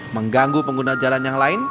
mengganggu pengguna jalan yang lain